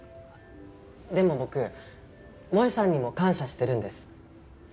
でも僕萌さんにも感謝してるんです。